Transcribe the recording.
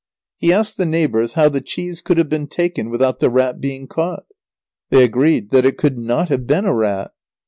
He asked the neighbours how the cheese could have been taken without the rat being caught. They agreed that it could not have been a rat.